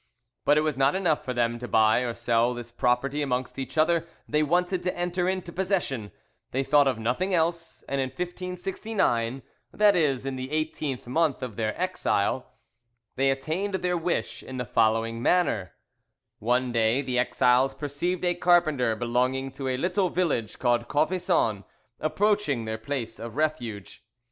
But it was not enough for them to buy or sell this property amongst each other, they wanted to enter into possession; they thought of nothing else, and in 1569—that is, in the eighteenth month of their exile—they attained their wish in the following manner: One day the exiles perceived a carpenter belonging to a little village called Cauvisson approaching their place of refuge.